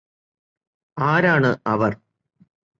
ആരാണ് അവർ